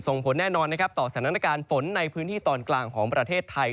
ผลแน่นอนนะครับต่อสถานการณ์ฝนในพื้นที่ตอนกลางของประเทศไทย